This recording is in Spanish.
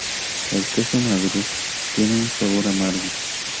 El queso maduro tiene un sabor amargo.